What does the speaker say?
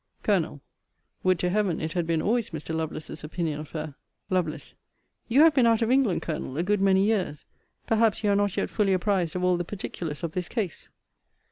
Col. Would to Heaven it had been always Mr. Lovelace's opinion of her! Lovel. You have been out of England, Colonel, a good many years. Perhaps you are not yet fully apprized of all the particulars of this case.